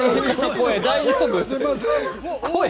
声大丈夫？